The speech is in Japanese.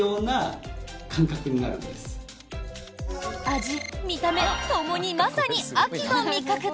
味、見た目ともにまさに秋の味覚。